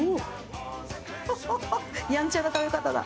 やんちゃな食べ方だ。